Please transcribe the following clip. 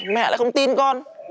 mẹ lại không tin con